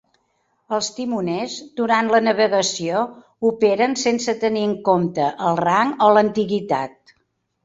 Els timoners, durant la navegació, operen sense tenir en compte el rang o l'antiguitat.